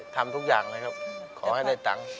ทำทุกอย่างเลยครับขอให้ได้ตังค์